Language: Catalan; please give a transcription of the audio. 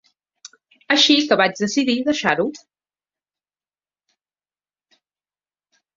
Així que vaig decidir deixar-ho.